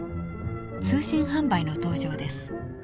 通信販売の登場です。